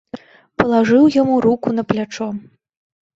Палажыў яму руку на плячо.